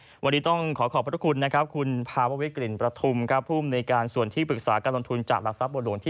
ค่ะวันนี้ต้องขอขอบพระเจ้าคุณนะครับ